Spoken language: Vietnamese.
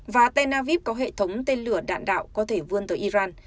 và tena vip có hệ thống tên lửa đạn đạo có thể vươn tới iran